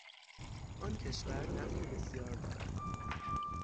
آن کشور نفت بسیار دارد.